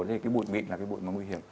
thì cái bụi mịn là cái bụi mà nguy hiểm